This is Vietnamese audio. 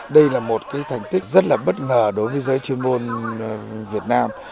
đây là một thành tích rất là bất ngờ đối với giới chuyên môn việt nam